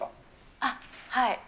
あっ、はい。